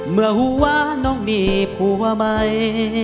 เมื่อหัวน้องมีผัวใหม่